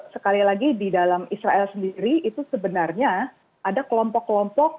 sekali lagi di dalam israel sendiri itu sebenarnya ada kelompok kelompok